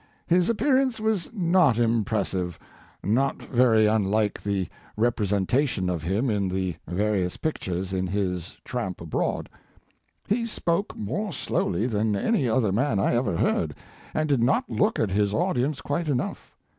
His appearance was not impressive, not very unlike the rep resentation of him in the various pictures in his Tramp Abroad. He spoke more slowly than any other man I ever heard, and did not look at his audience quite enough.